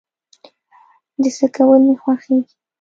د څه کول مې خوښيږي؟